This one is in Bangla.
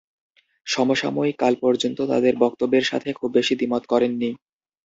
সমসাময়িক কাল পর্যন্ত তাদের বক্তব্যের সাথে খুব বেশি দ্বিমত করেননি।